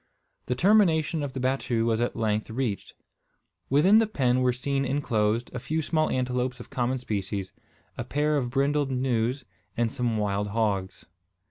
The termination of the battue was at length reached. Within the pen were seen enclosed a few small antelopes of common species, a pair of brindled gnus, and some wild hogs.